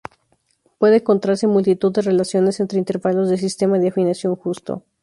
Puede encontrarse en multitud de relaciones entre intervalos del sistema de afinación justo.